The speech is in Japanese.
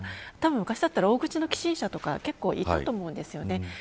昔だったら大口の寄進者とか結構いたと思うんです。